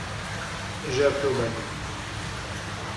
J’ai appris au bagne.